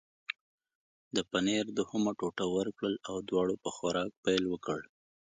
د پنیر دوهمه ټوټه ورکړل او دواړو په خوراک پیل وکړ.